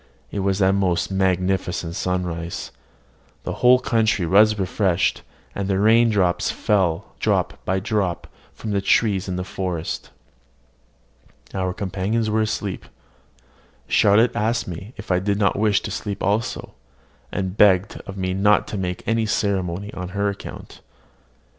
It was a most magnificent sunrise: the whole country was refreshed, and the rain fell drop by drop from the trees in the forest. Our companions were asleep. Charlotte asked me if I did not wish to sleep also, and begged of me not to make any ceremony on her account.